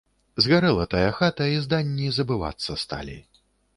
Згарэла тая хата, і зданні забывацца сталі.